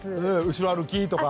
後ろ歩きとか。